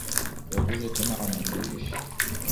yavuze ko nta muntu yishe.